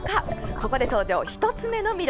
ここで登場、１つ目の緑。